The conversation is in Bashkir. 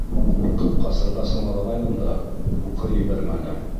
Ҡурҡып, ҡасырға самалағайным да, һуҡыр ебәрмәне.